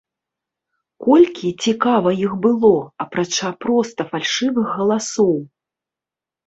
Колькі, цікава, іх было, апрача проста фальшывых галасоў?